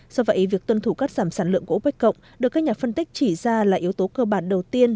do vậy việc tuân thủ cắt giảm sản lượng của opec cộng được các nhà phân tích chỉ ra là yếu tố cơ bản đầu tiên